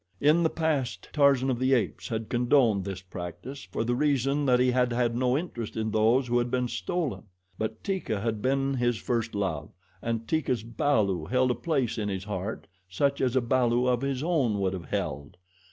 In the past Tarzan of the Apes had condoned this practice for the reason that he had had no interest in those who had been stolen; but Teeka had been his first love and Teeka's balu held a place in his heart such as a balu of his own would have held.